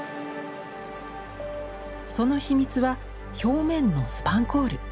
その秘密は表面のスパンコール。